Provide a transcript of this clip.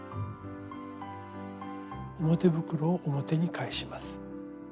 表袋を表に返します。